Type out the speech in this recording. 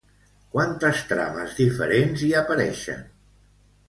Quantes trames diferents hi apareixen?